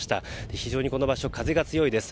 非常にこの場所風が強いです。